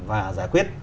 và giải quyết